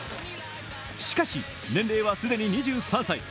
しかし、年齢は既に２３歳。